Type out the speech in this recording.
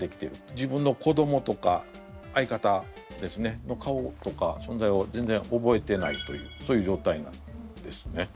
自分の子どもとか相方の顔とかそんざいを全然覚えてないというそういうじょうたいなんですね。